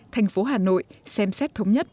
thành phố hà nội xem xét thống nhất